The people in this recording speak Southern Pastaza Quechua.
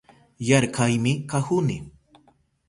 Yarkaymi kahuni